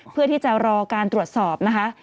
เพื่อที่จะรอการตรวจสอบนะคะ